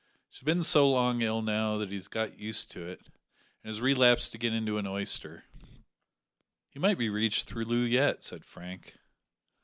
She's been so long ill now that he has got used to it, and has relapsed again into an oyster." "He might be reached through Loo yet," said Frank.